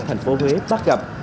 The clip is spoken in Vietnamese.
thành phố huế bắt gặp